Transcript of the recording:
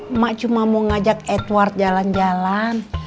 emak cuma mau ngajak edward jalan jalan